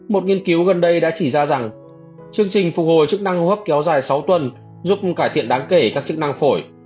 một nghiên cứu gần đây đã chỉ ra rằng chương trình phục hồi chức năng hô hấp kéo dài sáu tuần giúp cải thiện đáng kể các chức năng phổi